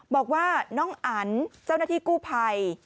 บอกว่าน้องอันเจ้าหน้าที่กู้ภัย